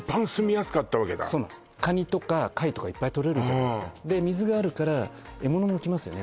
カニとか貝とかいっぱいとれるじゃないですかで水があるから獲物も来ますよね